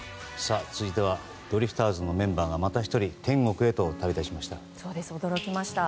続いてはドリフターズのメンバーがまた１人天国へと旅立ちました。